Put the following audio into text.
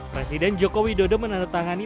presiden jokowi dodo menandatangani